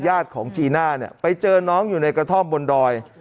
ของจีน่าเนี่ยไปเจอน้องอยู่ในกระท่อมบนดอย